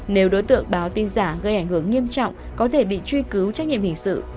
nếu đối tượng báo tin giả gây ảnh hưởng nghiêm trọng có thể bị truy cứu trách nhiệm hình sự